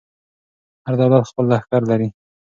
هر دولت خپل لښکر لري.